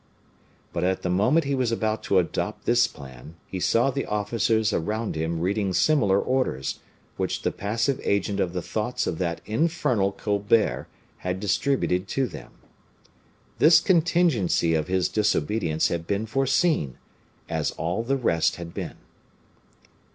But at the moment he was about to adopt this plan, he saw the officers around him reading similar orders, which the passive agent of the thoughts of that infernal Colbert had distributed to them. This contingency of his disobedience had been foreseen as all the rest had been.